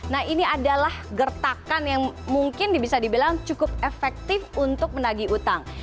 nah ini adalah gertakan yang mungkin bisa dibilang cukup efektif untuk menagih utang